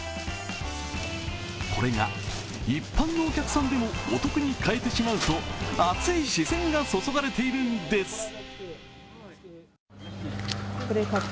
これが一般のお客さんでもお得に買えてしまうと熱い視線が注がれているんです。